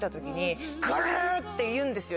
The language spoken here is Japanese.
って言うんですよ